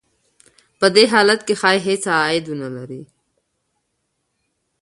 په دې حالت کې ښايي هېڅ عاید ونه لري